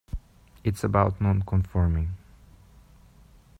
It's about not conforming.